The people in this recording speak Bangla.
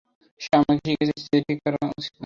সে আমাকে শিখিয়েছে যে ঠিক কি করা উচিত নয়।